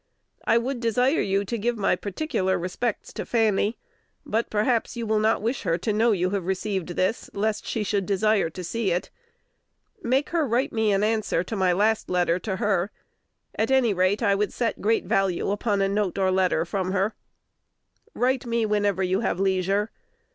I would desire you to give my particular respects to Fanny; but perhaps you will not wish her to know you have received this, lest she should desire to see it. Make her write me an answer to my last letter to her; at any rate, 1 would set great value upon a note or letter from her. Write me whenever you have leisure.